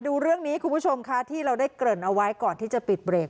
ดูเรื่องนี้คุณผู้ชมค่ะที่เราได้เกริ่นเอาไว้ก่อนที่จะปิดเบรก